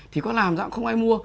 thì có làm dạng không ai mua